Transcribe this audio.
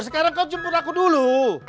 sekarang kau jemput aku dulu